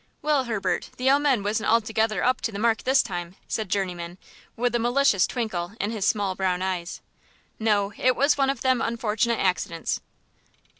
"Well, Herbert, the omen wasn't altogether up to the mark this time," said Journeyman, with a malicious twinkle in his small brown eyes. "No, it was one of them unfortunate accidents."